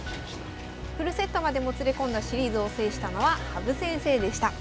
フルセットまでもつれ込んだシリーズを制したのは羽生先生でした。